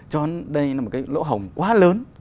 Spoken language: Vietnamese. cho nên là một cái lỗ hồng quá lớn